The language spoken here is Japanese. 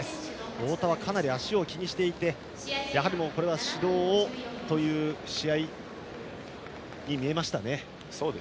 太田はかなり足を気にしていてやはりこれは指導をという試合に見えましたね。